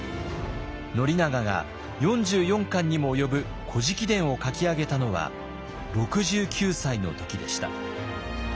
宣長が４４巻にも及ぶ「古事記伝」を書き上げたのは６９歳の時でした。